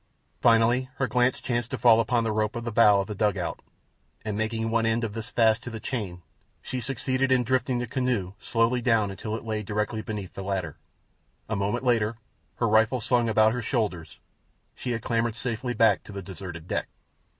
Finally her glance chanced to fall upon the rope in the bow of the dugout, and, making one end of this fast to the chain, she succeeded in drifting the canoe slowly down until it lay directly beneath the ladder. A moment later, her rifle slung about her shoulders, she had clambered safely to the deserted deck.